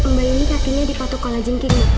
mbak ini kakinya dipatok oleh jin kiri